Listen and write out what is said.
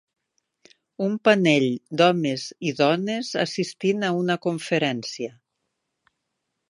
Un panell d'homes i dones assistint a una conferència.